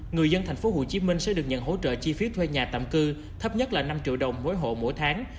người dân tp hcm sẽ được nhận hỗ trợ chi phí thuê nhà tạm cư thấp nhất là năm triệu đồng mỗi hộ mỗi tháng